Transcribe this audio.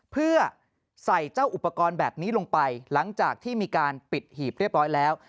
เพื่อใส่เจ้าอุปกรณ์แบบนี้ลงไปหลังจากที่มีการปิดหีบเรียบร้อยแล้ว